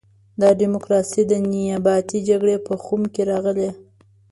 دا ډیموکراسي د نیابتي جګړې په خُم کې راغلې.